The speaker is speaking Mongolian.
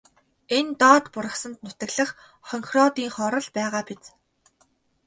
Энэ доод бургасанд нутаглах хонхироодынхоор л байгаа биз.